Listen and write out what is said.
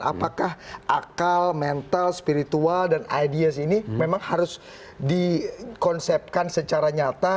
apakah akal mental spiritual dan ideas ini memang harus dikonsepkan secara nyata